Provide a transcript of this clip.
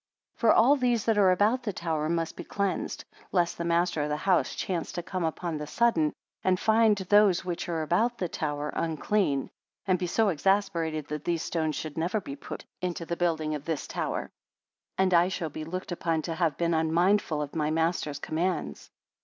62 For all these that are about the tower must be cleansed, lest the master of the house chance to come upon the sudden, and find those which are about the tower unclean; and be so exasperated that these stones should never be put into the building of this tower, and I shall be looked upon to have been unmindful of my master's commands.